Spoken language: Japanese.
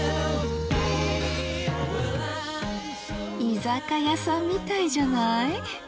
居酒屋さんみたいじゃない？